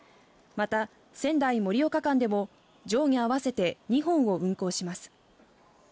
また、仙台盛岡間でも上下合わせて２本を運行します。